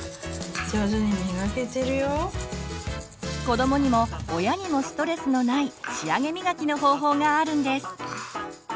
子どもにも親にもストレスのない仕上げみがきの方法があるんです。